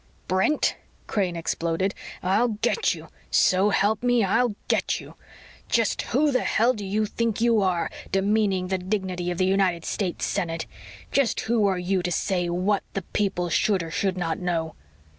"Brent," Crane exploded, "I'll get you! So help me, I'll get you! Just who the hell do you think you are demeaning the dignity of the United States Senate? Just who are you to say what the people should or should not know?"